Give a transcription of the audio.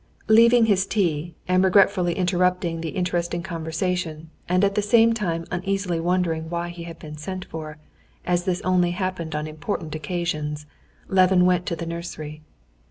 Leaving his tea, and regretfully interrupting the interesting conversation, and at the same time uneasily wondering why he had been sent for, as this only happened on important occasions, Levin went to the nursery.